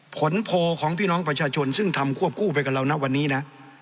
โพลของพี่น้องประชาชนซึ่งทำควบคู่ไปกับเรานะวันนี้นะ